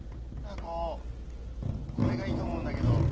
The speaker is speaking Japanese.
ダー子これがいいと思うんだけど。